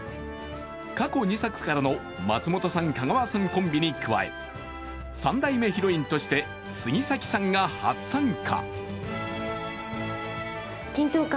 過去２作からの松本さん・香川さんコンビに加え、３代目ヒロインとして杉咲さんが初参加。